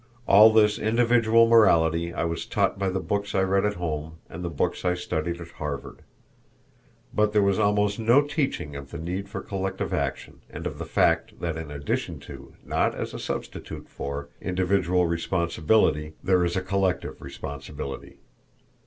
All this individual morality I was taught by the books I read at home and the books I studied at Harvard. But there was almost no teaching of the need for collective action, and of the fact that in addition to, not as a substitute for, individual responsibility, there is a collective responsibility.